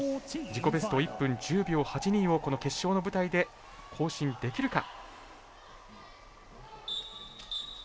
自己ベスト、１分１０秒８２をこの決勝の舞台で更新できるか。